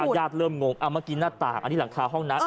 อ่ะญาติเริ่มงงอ่ะเมื่อกี้หน้าต่างอันนี้หลังคาห้องน้ำ